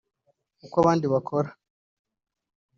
uko abandi bakora